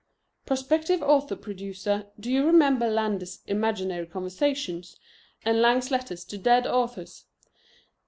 Prospective author producer, do you remember Landor's Imaginary Conversations, and Lang's Letters to Dead Authors?